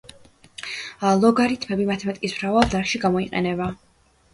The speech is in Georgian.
ლოგარითმები მათემატიკის მრავალ დარგში გამოიყენება.